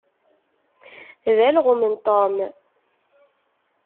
D alɣem n Tom.